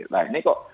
nah ini kok